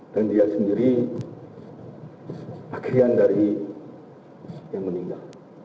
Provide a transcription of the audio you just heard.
dan dia sendiri akhirnya dari yang meninggal